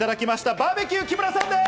バーベキュー木村さんです！